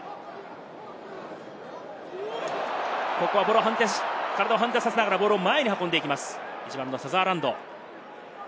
ここは体を反転させながらボールを前に運んでいきます、サザーランド。